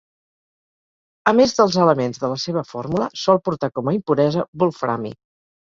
A més dels elements de la seva fórmula, sol portar com a impuresa wolframi.